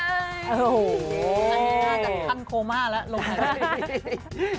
โอ้โหอันนี้น่าจะตั้งโคม่าแล้วลงหายใจ